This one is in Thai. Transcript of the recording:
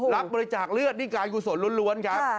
รับบริจาคเลือดนี่การกุศลล้วนครับ